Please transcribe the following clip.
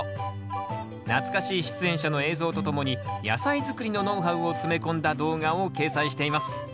懐かしい出演者の映像とともに野菜づくりのノウハウを詰め込んだ動画を掲載しています。